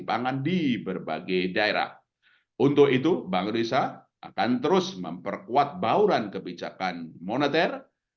pangan di berbagai daerah untuk itu bank indonesia akan terus memperkuat bauran kebijakan moneter